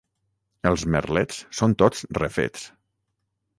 Els merlets són tots refets.